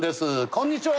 こんにちは！